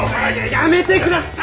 やめてください！